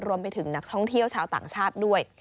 รวมไปถึงนักท่องเที่ยวชาวต่างชาติด้วย